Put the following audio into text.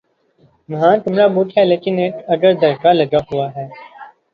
وہاں کمرہ بک ہے لیکن اگر دھڑکا لگا ہوا ہے۔